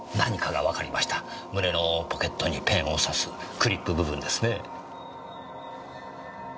胸のポケットにペンを挿すクリップ部分ですね。